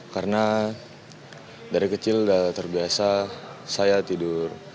karena dari kecil sudah terbiasa saya tidur